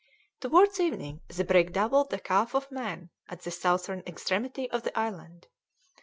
Towards evening the brig doubled the Calf of Man at the southern extremity of the island.